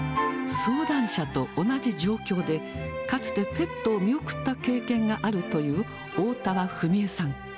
相談者と同じ状況で、かつてペットを見送った経験があるという、おおたわ史絵さん。